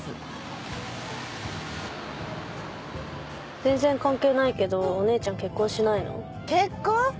全然関係ないけどお姉ちゃん結婚しないの？結婚？